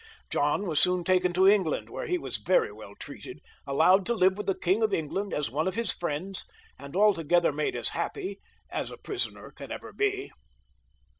John was soon taken to England, where he was very well treated, allowed to live with the King of England as one of his friends, and altogether made as happy as a prisoner can ever be.